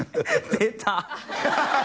「出た」